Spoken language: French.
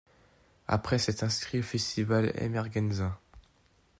Après s’être inscrit au festival Emergenza.